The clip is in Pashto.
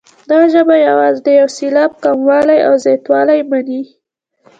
دا ژبه یوازې د یو سېلاب کموالی او زیاتوالی مني.